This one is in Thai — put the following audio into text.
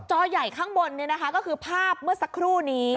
ใหญ่ข้างบนก็คือภาพเมื่อสักครู่นี้